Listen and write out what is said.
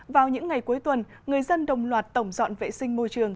vào những ngày cuối tuần người dân đồng loạt tổng dọn vệ sinh môi trường